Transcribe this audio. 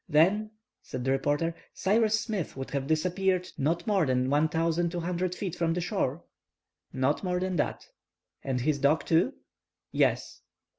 "Then," said the reporter, "Cyrus Smith would have disappeared not more than 1,200 feet from the shore?" "Not more than that." "And his dog, too?" "Yes."